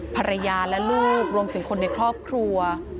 ภรรยาและลูกรวมถึงคนในครอบครัว